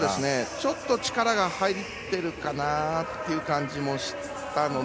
ちょっと力が入っているかなって感じもしたので。